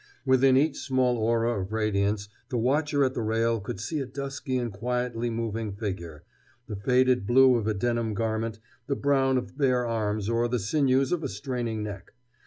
Within each small aura of radiance the watcher at the rail could see a dusky and quietly moving figure, the faded blue of a denim garment, the brown of bare arms, or the sinews of a straining neck.